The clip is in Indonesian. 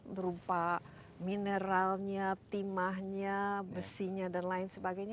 berupa mineralnya timahnya besinya dan lain sebagainya